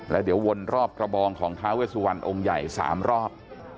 แล้วเดี๋ยววนรอบกระบองของท้าเวสุวรรณองค์ใหญ่๓รอบ